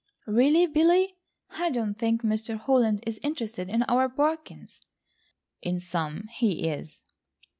"Really, Billy, I don't think Mr. Holland is interested in our bargains." "In some, he is."